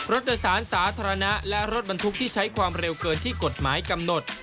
รถโดยสารสาธารณะและรถบรรทุกที่ใช้ความเร็วเกินที่กฎหมายกำหนด